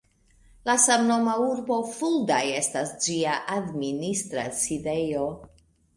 La samnoma urbo Fulda estas ĝia administra sidejo.